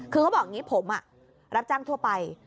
คือเขาบอกอย่างนี้ผมรับจ้างทั่วไป